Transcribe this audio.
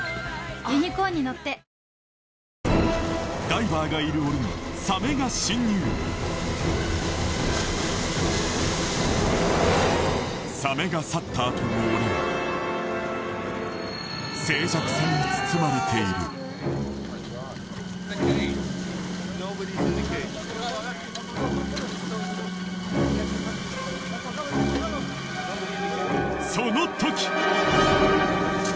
ダイバーがいる檻にサメが侵入サメが去ったあとの檻は静寂さに包まれているその時！